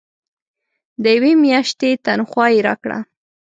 د یوې میاشتي تنخواه یې راکړه.